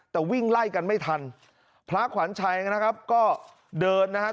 แต่วิ่งไล่กันไม่ทันพระขวัญชัยนะครับก็เดินนะครับ